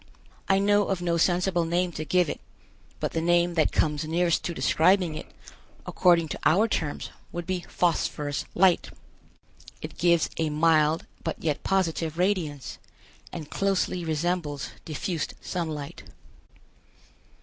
I know of no sensible name to give it, but the name that comes nearest to describing it, according to our terms, would be Phosphorous Light. It gives a mild but yet positive radiance, and closely resembles diffused sunlight.